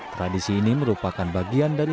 tradisi ini merupakan bagian dari